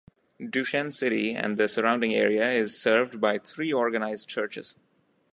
Duchesne city and the surrounding area is served by three organized churches.